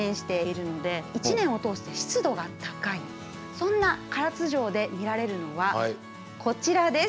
そんな唐津城で見られるのはこちらです。